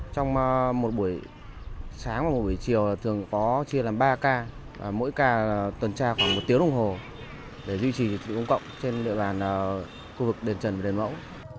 trong một buổi sáng và buổi chiều thường có chia làm ba ca mỗi ca tuần tra khoảng một tiếng đồng hồ để duy trì công cộng trên địa bàn khu vực đền trần và đền mẫu